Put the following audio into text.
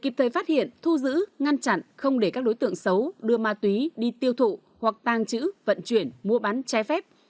kịp thời phát hiện thu giữ ngăn chặn không để các đối tượng xấu đưa ma túy đi tiêu thụ hoặc tàng trữ vận chuyển mua bán trái phép